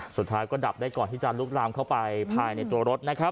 สุดท้ายก็ดับได้ก่อนที่จะลุกลามเข้าไปภายในตัวรถนะครับ